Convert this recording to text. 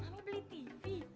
mami beli tv